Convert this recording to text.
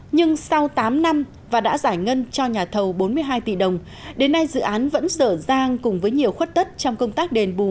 nhưng sau tám năm và đã giải ngân cho nhà thầu bốn mươi hai tỷ đồng đến nay dự án vẫn sở giang cùng với nhiều khuất tất trong công tác đền bù